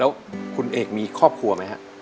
แล้วคุณเอกมีครอบครัวไหมฮะ